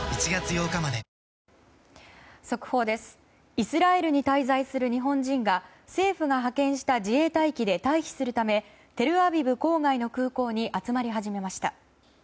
イスラエルに滞在する日本人が政府が派遣した自衛隊機で退避するためテルアビブ郊外の空港に集まり始めました。